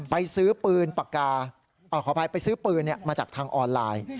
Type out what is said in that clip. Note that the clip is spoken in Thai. ไปซื้อปืนปากกาขออภัยไปซื้อปืนมาจากทางออนไลน์